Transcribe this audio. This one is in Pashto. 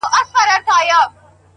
راته ښكلا راوړي او ساه راكړي ـ